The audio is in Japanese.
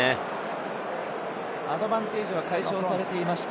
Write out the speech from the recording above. アドバンテージが解消されていました。